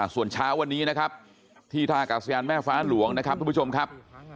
ส่วนเช้าวันนี้นะครับที่ท่ากาศยานแม่ฟ้าหลวงนะครับทุกผู้ชมครับ